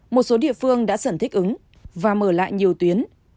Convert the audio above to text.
một số địa phương đã dần thích ứng và mở lại nhiều tuyến